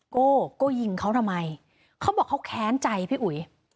โก้โก้ยิงเขาทำไมเขาบอกเขาแค้นใจพี่อุ๋ย